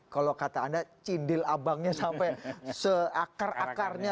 kalau kata anda cindil abangnya sampai seakar akarnya